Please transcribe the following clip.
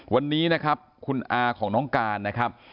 วันนี้นะครับคุณอาของน้องการนะครับ